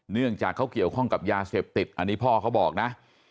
เนื่องจากเขาเกี่ยวข้องกับยาเสพติดอันนี้พ่อเขาบอกนะ